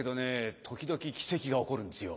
時々奇跡が起こるんですよ。